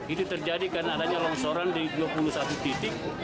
itu terjadi karena adanya longsoran di dua puluh satu titik